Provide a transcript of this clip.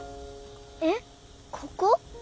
えっここ？